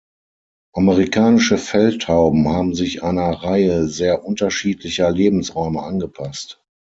Amerikanische Feldtauben haben sich einer Reihe sehr unterschiedlicher Lebensräume angepasst.